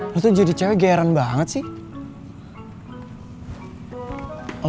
lo tuh jadi cewek gairan banget sih